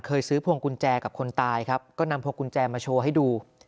ซื้อพวงกุญแจกับคนตายครับก็นำพวงกุญแจมาโชว์ให้ดู